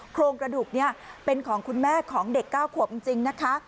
โครงกระดูกนี้เป็นของคุณแม่ของเด็ก๙ขวบจริงนะคะ